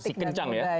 masih kencang ya